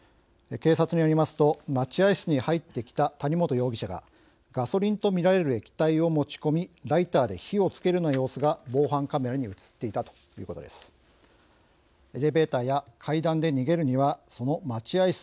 警察によりますと待合室に入ってきた谷本容疑者がガソリンとみられる液体を持ち込みライターで火をつけるような様子が防犯カメラに映っていたということです。